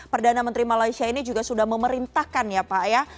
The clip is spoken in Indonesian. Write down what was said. perdana menteri malaysia ini juga sudah memerintahkan ya pak ya